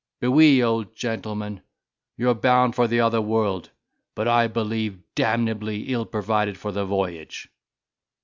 B'we, old gentleman; you're bound for the other world, but I believe damnably ill provided for the voyage."